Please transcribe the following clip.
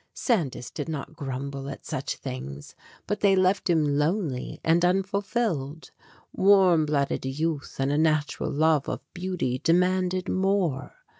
Sandys did not grumble at such things, but they left him lonely and unfulfilled. Warm blooded youth and a natural love of beauty demanded more.